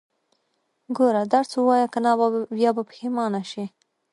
ګوره، درس ووايه، که نه بيا به پښيمانه شې.